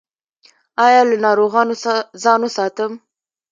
ایا له ناروغانو ځان وساتم؟